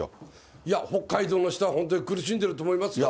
いや、北海道の人は本当に苦しんでいると思いますよ。